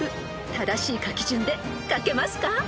［正しい書き順で書けますか？］